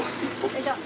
よいしょ。